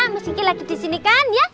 mas gigi lagi di sini kan ya